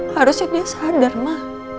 harusnya dia sadar ma